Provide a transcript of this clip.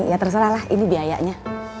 ya terserahlah ini biayanya